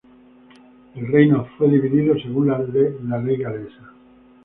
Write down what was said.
El reino fue dividido según la ley galesa.